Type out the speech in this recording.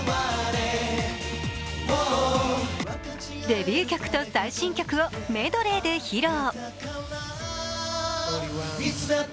デビュー曲と最新曲をメドレーで披露。